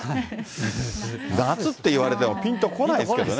夏って言われてもぴんと来ないですよね。